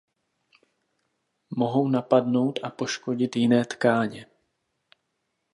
Mohou napadnout a poškodit jiné tkáně.